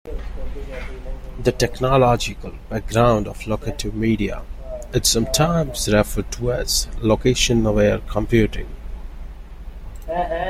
The technological background of locative media is sometimes referred to as "location-aware computing".